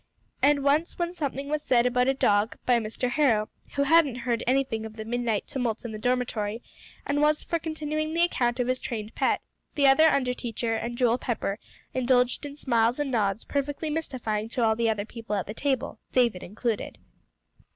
And once when something was said about a dog by Mr. Harrow, who hadn't heard anything of the midnight tumult in the dormitory, and was for continuing the account of his trained pet, the other under teacher and Joel Pepper indulged in smiles and nods perfectly mystifying to all the other people at the table, David included.